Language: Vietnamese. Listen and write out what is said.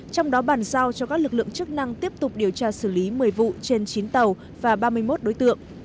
trong đó bàn giao cho các lực lượng chức năng tiếp tục điều tra xử lý một mươi vụ trên chín tàu và ba mươi một đối tượng